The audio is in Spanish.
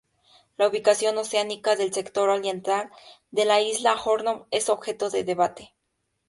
La ubicación oceánica del sector oriental de la isla Hornos es objeto de debate.